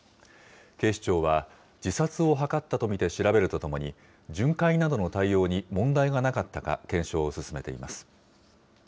警視庁は、自殺を図ったと見て調べるとともに、巡回などの対応に問題がなかったか、検証を進めています。